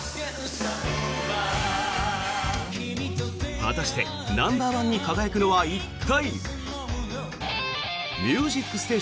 果たして、ナンバーワンに輝くのは一体？